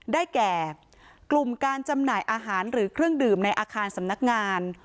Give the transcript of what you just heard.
ได้แก่กลุ่มการจำหน่ายอาหารหรือเครื่องดื่มในอาคารสำนักงาน